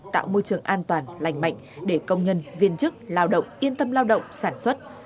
tạo môi trường an toàn lành mạnh để công nhân viên chức lao động yên tâm lao động sản xuất